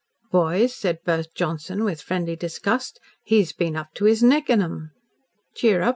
"Boys," said Bert Johnson, with friendly disgust, "he's been up to his neck in 'em." "Cheer up.